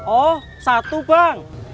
oh satu bang